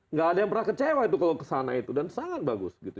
nggak ada yang pernah kecewa itu kalau kesana itu dan sangat bagus gitu